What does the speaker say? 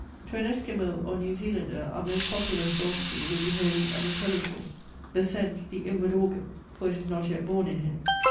To an Esquimaux or New Zealander our most popular philosophy would be wholly unintelligible. The sense, the inward organ, for it is not yet born in him.